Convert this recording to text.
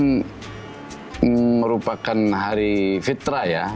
jadi itu merupakan hari fitrah ya